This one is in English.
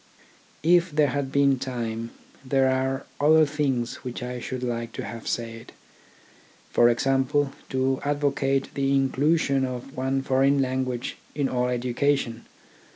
If there had been time, there are other things which I should like to have said : for example, to advocate the inclusion of one foreign language in all education.